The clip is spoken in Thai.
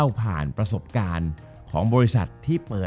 จบการโรงแรมจบการโรงแรม